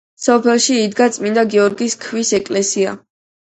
სოფელში იდგა წმინდა გიორგის ქვის ეკლესია.